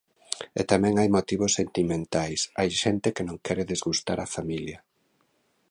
E tamén hai motivos "sentimentais", hai xente que non quere "desgustar" a familia.